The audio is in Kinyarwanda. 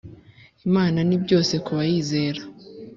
Imana ni byose kuba yizera